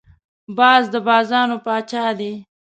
باز د بازانو پاچا دی